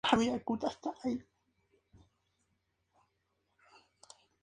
Durante una cita con el Dr. Elliot, Kate intenta seducirlo, pero Elliot la rechaza.